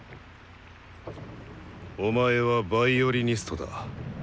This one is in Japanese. お前はヴァイオリニストだ。